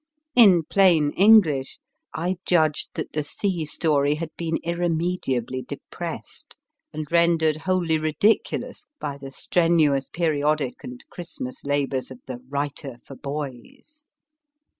In plain English, I judged that the sea story had been irremediably de pressed, and rendered wholly ridiculous by the strenuous periodic and Christmas la bours of the Writer for Boys.